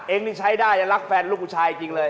เองนี่ใช้ได้รักแฟนลูกผู้ชายจริงเลย